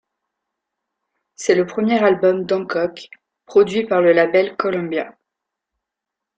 C'est le premier album d'Hancock produit par le label Columbia.